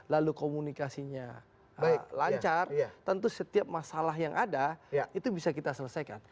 lalu komunikasinya lancar tentu setiap masalah yang ada itu bisa kita selesaikan